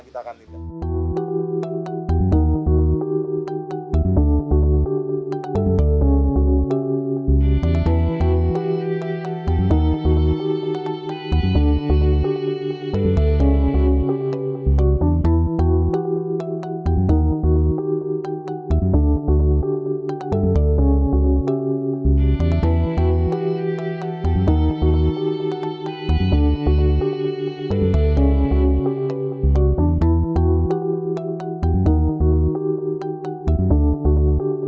kita akan lintas